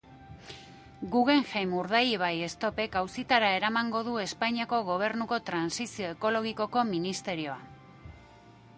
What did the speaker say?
Guggenheim Urdaibai Stopek auzitara eramango du Espainiako Gobernuko Trantsizio Ekologikoko Ministerioa.